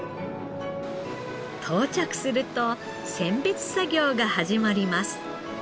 到着すると選別作業が始まります。